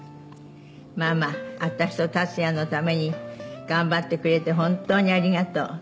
「“ママ私と達也のために頑張ってくれて本当にありがとう”」